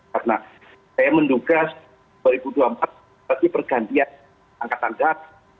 karena saya menduga dua ribu dua puluh empat pasti pergantian angkatan darat